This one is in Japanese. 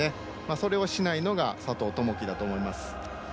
それをしないのが佐藤友祈だと思います。